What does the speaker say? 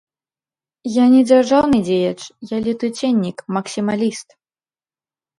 Я не дзяржаўны дзеяч, я летуценнік, максімаліст.